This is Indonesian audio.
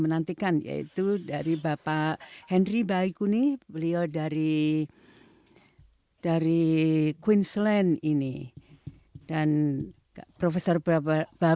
menantikan yaitu dari bapak henry baikuni beliau dari dari queensland ini dan prof